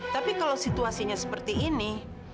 tapi kalau situasinya seperti ini